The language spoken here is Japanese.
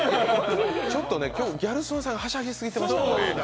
ちょっとね、今日はギャル曽根さんがはしゃぎすぎてましたね。